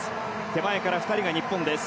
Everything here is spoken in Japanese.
手前から２人が日本です。